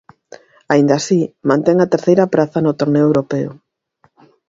Aínda así, mantén a terceira praza no torneo europeo.